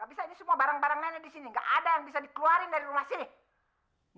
bisa ini semua barang barang nenek di sini nggak ada yang bisa dikeluarin dari rumah sini